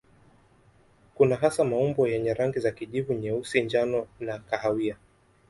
Kuna hasa maumbo yenye rangi za kijivu, nyeusi, njano na kahawia.